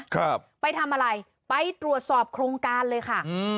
ครับไปทำอะไรไปตรวจสอบโครงการเลยค่ะอืม